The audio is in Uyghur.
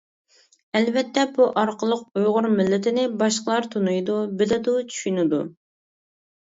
ئەلۋەتتە بۇ ئارقىلىق ئۇيغۇر مىللىتىنى باشقىلار تونۇيدۇ، بىلىدۇ، چۈشىنىدۇ.